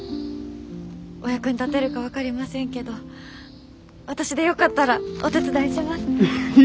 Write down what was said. お役に立てるか分かりませんけど私でよかったらお手伝いします。